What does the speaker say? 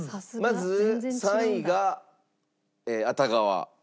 まず３位が熱川。